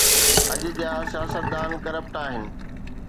اڄ جا سياستدان ڪرپٽ آهن